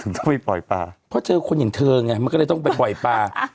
ช่วยไปปล่อยปลาเพราะเจอคนอย่างเธอไงมันก็เลยต้องไปปล่อยปลา